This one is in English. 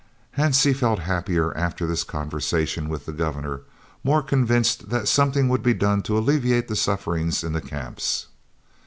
Hansie felt happier after this conversation with the Governor, more convinced that something would be done to alleviate the sufferings in the Camps.